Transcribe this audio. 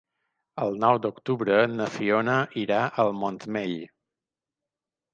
El nou d'octubre na Fiona irà al Montmell.